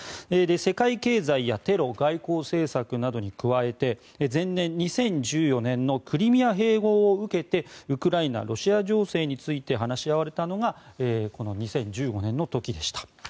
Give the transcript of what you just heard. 世界経済やテロ外交政策などに加えて前年、２０１４年のクリミア併合を受けてウクライナ、ロシア情勢について話し合われたのがこの２０１５年の時でした。